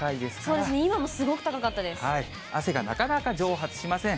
そうですね、今もすごく高か汗がなかなか蒸発しません。